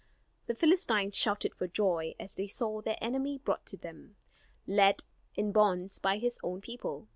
The Philistines shouted for joy as they saw their enemy brought to them, led in bonds by his own people.